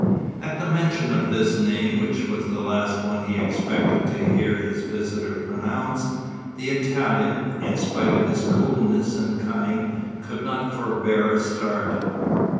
At the mention of this name, which was the last one he expected to hear his visitor pronounce, the Italian, in spite of his coolness and cunning, could not forbear a start.